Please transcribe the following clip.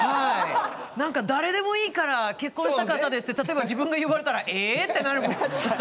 なんか誰でもいいから結婚したかったですって例えば自分が言われたら「え！」ってなるもん。